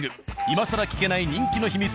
今さら聞けない人気の秘密